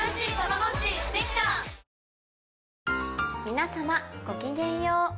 皆様ごきげんよう。